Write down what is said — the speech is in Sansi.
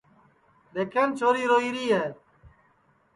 دؔیکھن چھوری روئیری ہے